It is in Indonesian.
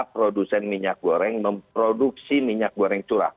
produsen minyak goreng memproduksi minyak goreng curah